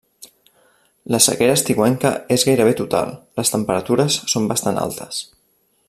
La sequera estiuenca és gairebé total, les temperatures són bastant altes.